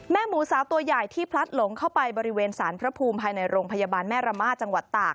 หมูสาวตัวใหญ่ที่พลัดหลงเข้าไปบริเวณสารพระภูมิภายในโรงพยาบาลแม่ระมาทจังหวัดตาก